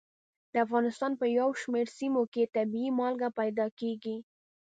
د افغانستان په یو شمېر سیمو کې طبیعي مالګه پیدا کېږي.